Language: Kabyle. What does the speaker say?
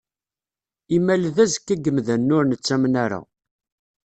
Imal d azekka n yimdanen ur nettamen ara.